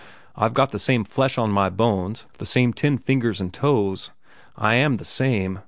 I've got the same flesh on my bones, the same ten fingers and toes. I am the same.